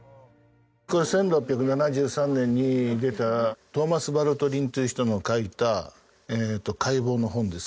これ１６７３年に出たトーマス・バルトリンという人の書いた解剖の本です。